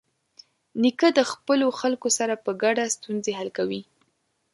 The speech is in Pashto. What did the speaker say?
نیکه د خپلو خلکو سره په ګډه ستونزې حل کوي.